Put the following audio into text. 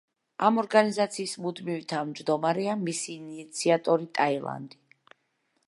ამ ორგანიზაციის მუდმივი თავმჯდომარეა მისი ინიციატორი ტაილანდი.